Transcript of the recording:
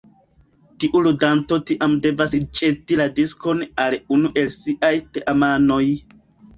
Tiu ludanto tiam devas ĵeti la diskon al unu el siaj teamanoj.